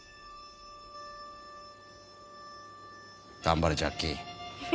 頑張れジャッキー。